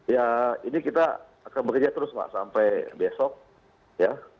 ya ini kita akan bekerja terus pak sampai besok ya